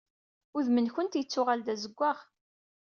Udem-nkent yettuɣal d azeggaɣ.